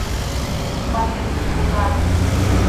- вашештыш Лука.